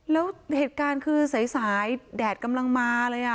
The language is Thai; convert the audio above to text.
แล้วเหตุการณ์คือสายแดดกำลังมาเลย